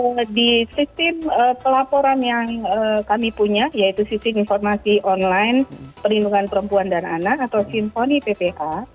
jadi di sistem pelaporan yang kami punya yaitu sistem informasi online perlindungan perempuan dan anak atau simponi ppa